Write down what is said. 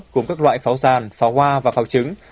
gồm các loại pháo sàn pháo hoa và pháo trứng